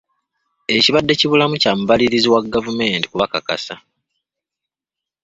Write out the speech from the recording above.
Ekibadde kibulamu kya mubalirizi wa gavumenti kubakakasa.